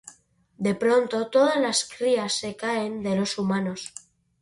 De pronto todas las crías se caen de los humanos.